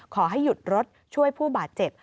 ขอให้หยุดรถช่วยผู้บาดเจ็บ